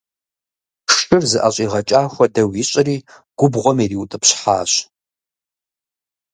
Шыр зыӀэщӀигъэкӀа хуэдэу ищӀри губгъуэм ириутӀыпщхьащ.